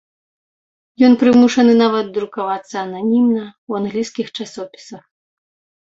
Ён прымушаны нават друкавацца ананімна, у англійскіх часопісах.